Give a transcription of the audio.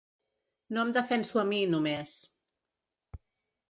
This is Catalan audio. No em defenso a mi, només.